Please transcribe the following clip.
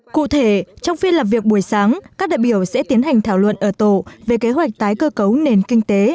cụ thể trong phiên làm việc buổi sáng các đại biểu sẽ tiến hành thảo luận ở tổ về kế hoạch tái cơ cấu nền kinh tế